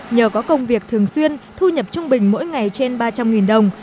nhờ có công việc thường xuyên thu nhập trung bình mỗi ngày trên ba trăm linh đồng